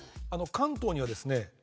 関東にはですね